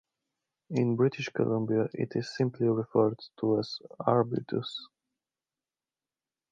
In British Columbia it is simply referred to as arbutus.